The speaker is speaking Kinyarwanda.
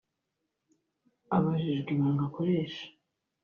Abajijwe ibanga akoresha